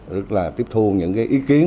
rất là tiếp thu những cái ý kiến